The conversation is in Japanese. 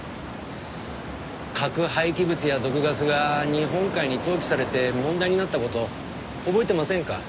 核廃棄物や毒ガスが日本海に投棄されて問題になった事覚えてませんか？